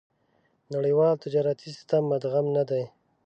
نړيوال تجارتي سېسټم مدغم نه دي.